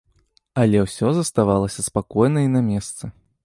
Але ўсё заставалася спакойна і на месцы.